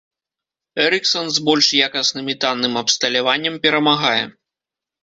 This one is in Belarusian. Эрыксан, з больш якасным і танным абсталяваннем, перамагае.